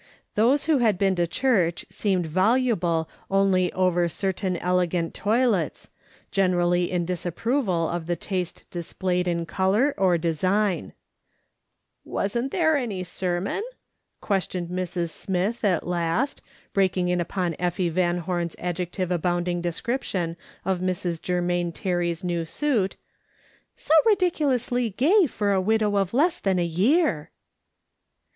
Those who had been to church seemed voluble only over certain elegant toilets, generally in disapproval of the tiiste displayed in colour or design. "/ DO DISLIKE SCENES." 145 " Wasn't there any sermon ?" questioned Mrs. Smith, at last, breaking in upon Effie Van Home's adjective abounding description of Mrs. Germain Terry's new suit —" so ridiculously gay for a ^Yidow of less than a year